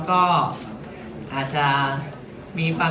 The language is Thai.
ขอบคุณครับ